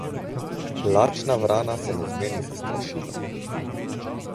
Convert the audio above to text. Lačna vrana se ne zmeni za strašilo.